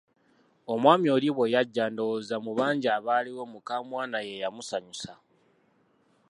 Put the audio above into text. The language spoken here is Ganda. Omwami oli ye bwe yajja ndowooza mu bangi abaaliwo mukamwana yeyamusanyusa.